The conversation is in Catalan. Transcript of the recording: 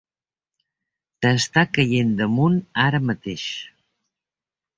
T'està caient damunt ara mateix!